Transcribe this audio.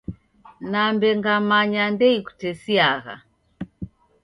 Nambe ngamanya ndeikutesiagha.